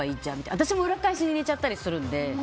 私も裏っ返しに入れちゃったりするので。